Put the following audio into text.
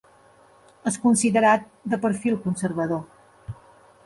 És considerat de perfil conservador.